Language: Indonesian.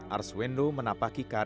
arswendo menapaki karir